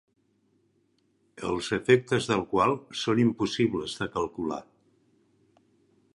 Els efectes del qual són impossibles de calcular.